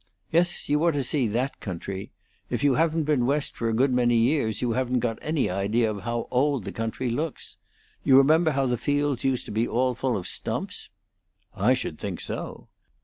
Yes, you ought to see that country. If you haven't been West for a good many years, you haven't got any idea how old the country looks. You remember how the fields used to be all full of stumps?" "I should think so."